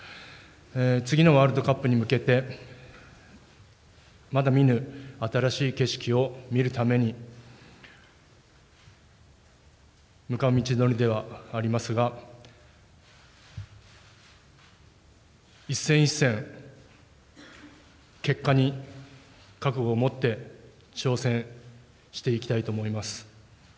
次のワールドカップに向けて、まだ見ぬ新しい景色を見るために、向かう道のりではありますが、一戦一戦、結果に覚悟を持って挑戦していきたいと思います。